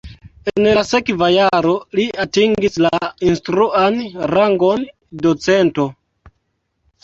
En la sekva jaro li atingis la instruan rangon docento.